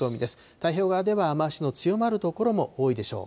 太平洋側では雨足の強まる所も多いでしょう。